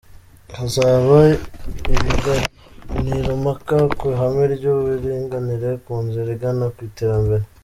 Hazaba ibiganirompaka ku ihame ry’uburinganire ku nzira igana ku iterambere.